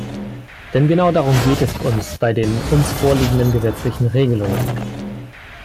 Denn genau darum geht es uns bei den uns vorliegenden gesetzlichen Regelungen.